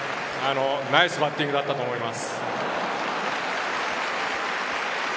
ナイスバッティングだったと思います。